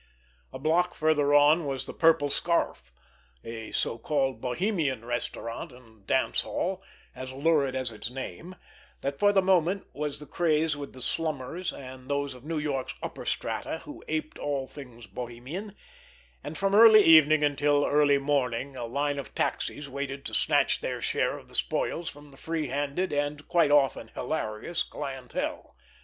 A block further on was The Purple Scarf, a so called Bohemian restaurant and dance hall, as lurid as its name, that for the moment was the craze with the slummers and those of New York's upper strata who aped all things Bohemian—and from early evening until early morning a line of taxis waited to snatch their share of the spoils from the free handed and, quite often, hilarious clientele.